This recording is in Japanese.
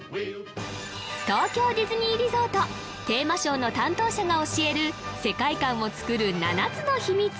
東京ディズニーリゾートテーマショーの担当者が教える世界観を作る７つの秘密